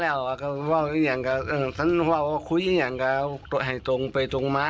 แล้วครั้งสุดท้ายนี่เป็นยังไงช่วยเล่าให้ฟังหน่อย